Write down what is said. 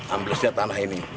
amblesnya tanah ini